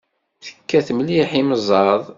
Tekkat mliḥ imẓad.